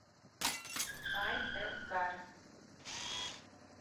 Vai tev gar